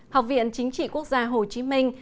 học viện chính trị quốc gia hồ chí minh